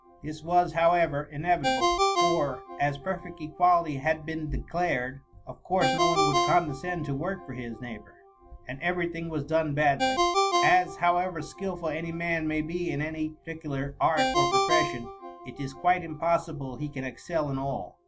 This was, however, inevitable, for^ as perfect equality had been declared, of course no one would condescend to work for his neighbour; and every thing was done badly; as, however skilful any man may be in any par ticular art or profession, it is quite impossible he can excel in all.